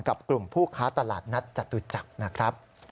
กับกลุ่มผู้ค้าตลาดนัดจตุจักรนะครับ